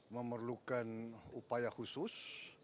memerlukan upaya khusus